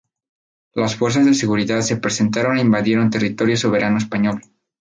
Las fuerzas de seguridad se presentaron e invadieron territorio soberano español.